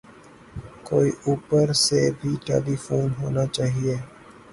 کوئی اوپر سے بھی ٹیلی فون ہونا چاہئے